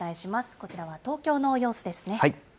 こちらは東京の様子ですね。